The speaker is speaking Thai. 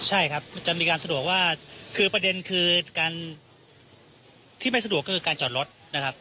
ใช่ครับจะมีการสะดวกว่าคือประเด็นคือการที่ไม่สะดวกก็คือการจอดรถนะครับ